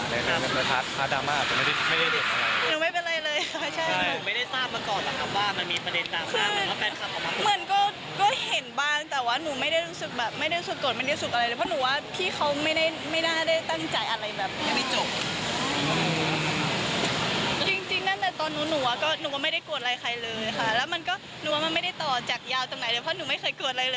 แล้วหนูก็ไม่ได้ต่อจากยาวตรงไหนเลยเพราะหนูไม่เคยโกรธอะไรเลยอยู่แล้วค่ะ